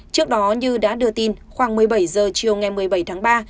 trước đó như đã đưa tin khoảng một mươi bảy h chiều ngày một mươi bảy tháng ba